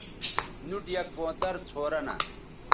نُوٹ یک کونتر څھورہ نہ